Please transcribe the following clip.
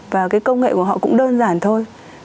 và cái công nghệ của họ cũng đơn giản thôi